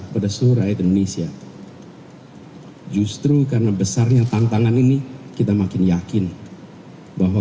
pada seluruh rakyat indonesia justru karena besarnya tantangan ini kita makin yakin bahwa